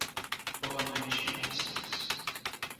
Boa noite, e bons sonhos.